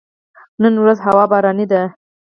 نن ورځ هوا باراني ده